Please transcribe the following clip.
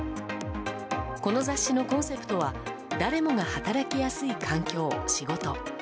この雑誌のコンセプトは「誰もが働きやすい環境・仕事」。